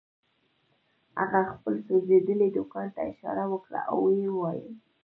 هغه خپل سوځېدلي دوکان ته اشاره وکړه او ويې ويل.